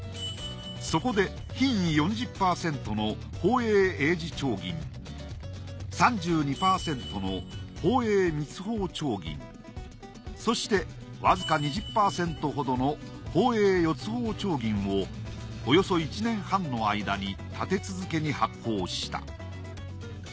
そこで品位４０％の宝永永字丁銀３２％の宝永三ツ宝丁銀そしてわずか２０％ほどの宝永四ツ宝丁銀をおよそ１年半の間に立て続けに発行した。